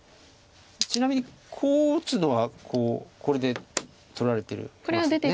ちなみにこう打つのはこれで取られてます。